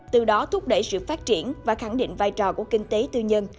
từ đó thúc đẩy sự phát triển và khẳng định vai trò của kinh tế tư nhân